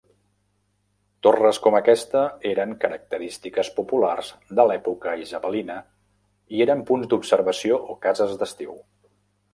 Torres com aquesta eren característiques populars de l'època isabelina i eren punts d'observació o cases d'estiu.